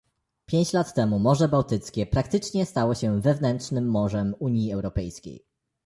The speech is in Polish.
Pięć lat temu Morze Bałtyckie praktycznie stało się wewnętrznym morzem Unii Europejskiej